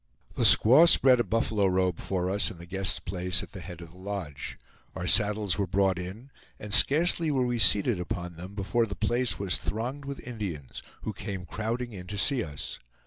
The squaw spread a buffalo robe for us in the guest's place at the head of the lodge. Our saddles were brought in, and scarcely were we seated upon them before the place was thronged with Indians, who came crowding in to see us.